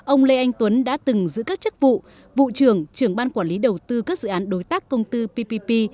ông lê anh tuấn đã từng giữ các chức vụ vụ trưởng trưởng ban quản lý đầu tư các dự án đối tác công tư ppp